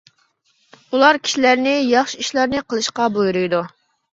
ئۇلار كىشىلەرنى ياخشى ئىشلارنى قىلىشقا بۇيرۇيدۇ.